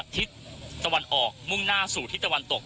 ทิศตะวันออกมุ่งหน้าสู่ทิศตะวันตก